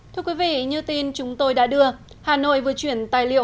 thưa quý vị như tin chúng tôi đã đưa hà nội vừa chuyển tài liệu